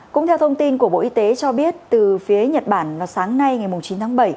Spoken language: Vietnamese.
cũng theo thông tin của bộ y tế cho biết từ phía nhật bản vào sáng nay ngày chín tháng bảy